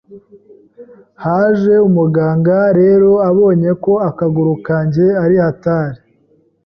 haje umuganga rero abonyeko akaguru kanjye ari hatari